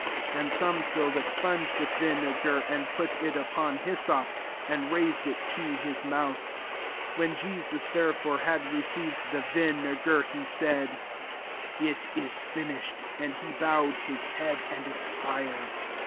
And some filled a sponge with vinegar, and put it upon hyssop, and raised it to his mouth. 30 When Jesus, therefore, had received the vi negar, he said, " It is finished;" and he bowed iiis head, and ex pired.